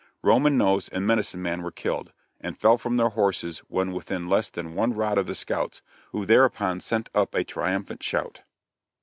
"Roman Nose" and "Medicine Man" were killed, and fell from their horses when within less than one rod of the scouts, who thereupon sent up a triumphant shout.